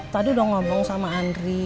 tadi udah ngomong sama andri